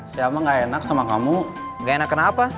saya mah gak enak sama kamu gak enak kenapa